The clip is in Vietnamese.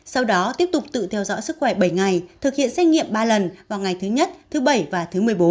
sau đó tiếp tục tự theo dõi sức khỏe bảy ngày thực hiện xét nghiệm ba lần vào ngày thứ nhất thứ bảy và thứ một mươi bốn